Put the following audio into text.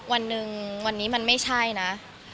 วันหนึ่งวันนี้มันไม่ใช่นะ